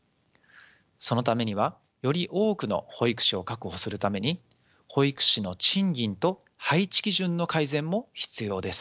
そのためにはより多くの保育士を確保するために保育士の賃金と配置基準の改善も必要です。